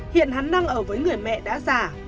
hiện hắn đang ở với người mẹ đã già